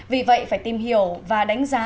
vì vậy phải tìm hiểu và đánh giá